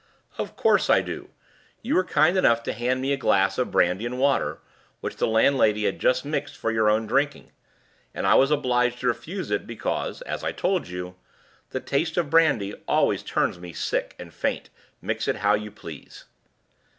"Of course I do! You were kind enough to hand me a glass of brandy and water, which the landlady had just mixed for your own drinking. And I was obliged to refuse it because, as I told you, the taste of brandy always turns me sick and faint, mix it how you please."